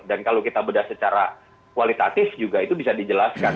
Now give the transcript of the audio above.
dan kalau kita bedah secara kualitatif juga itu bisa dijelaskan